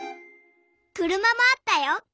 くるまもあったよ。